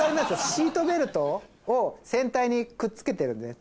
シートベルトを船体に着けてるんですね。